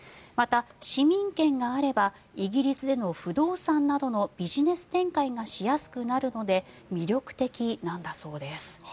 また、市民権があればイギリスでの不動産などのビジネス展開がしやすくなるので魅力的なんだそうです。